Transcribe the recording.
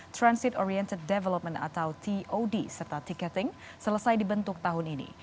transit oriented development atau tod serta tiketing selesai dibentuk tahun ini